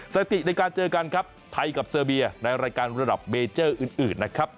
สติในการเจอกันครับไทยกับเซอร์เบียในรายการระดับเมเจอร์อื่นนะครับ